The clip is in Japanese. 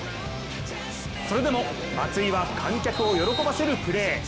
それでも松井は観客を喜ばせるプレー。